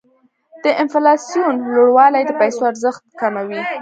د انفلاسیون لوړوالی د پیسو ارزښت کموي.